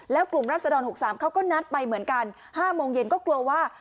แล้วกลุ่มรัศดร๖๓เขาก็นัดไปเหมือนกัน๕โมงเย็นก็กลัวว่า